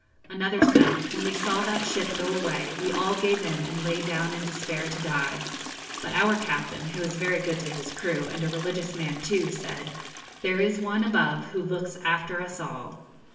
Another said, 'When we saw that ship go away, we all gave in and lay down in despair to die. But our captain, who is very good to his crew, and a religious man too, said, "There is One above who looks after us all."